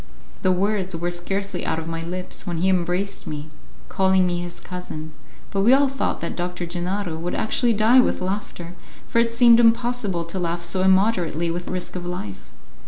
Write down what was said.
The words were scarcely out of my lips when he embraced me, calling me his cousin, but we all thought that Doctor Gennaro would actually die with laughter, for it seemed impossible to laugh so immoderately without risk of life.